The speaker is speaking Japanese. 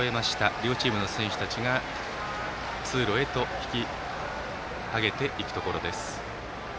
両チームの選手たちが通路へ引き揚げていくところです。